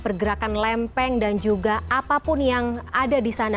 pergerakan lempeng dan juga apapun yang ada di sana